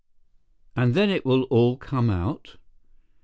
"And then it will all come out?"